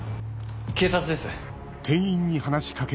警察です